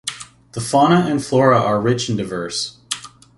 The fauna and flora are rich and diverse.